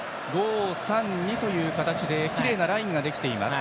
５−３−２という形できれいなラインができています。